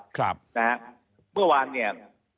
ครับนะฮะเมื่อวานเนี่ย